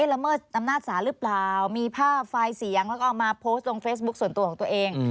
ละเมิดอำนาจศาลหรือเปล่ามีภาพไฟล์เสียงแล้วก็เอามาโพสต์ลงเฟซบุ๊คส่วนตัวของตัวเอง